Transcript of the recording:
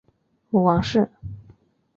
母王氏。